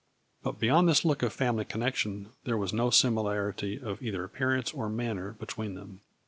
But, beyond this look of family connection, there was no similarity of either ap pearance or manner between them.